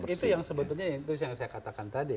itu yang sebetulnya yang saya katakan tadi